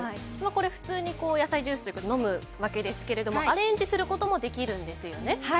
普通に野菜ジュースとして飲むわけですがアレンジすることもできるんですよね。